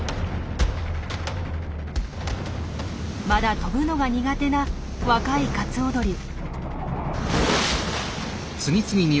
まだ飛ぶのが苦手な若いカツオドリ。